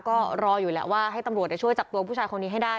ก็รออยู่แหละว่าให้ตำรวจช่วยจับตัวผู้ชายคนนี้ให้ได้